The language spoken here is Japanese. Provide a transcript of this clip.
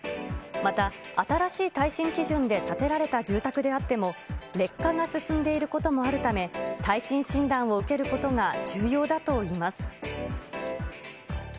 また、新しい耐震基準で建てられた住宅であっても、劣化が進んでいることもあるため、耐震診断を受けることが重要だといいます。